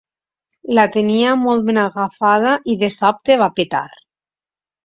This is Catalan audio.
La tenia molt ben agafada i de sobte va petar.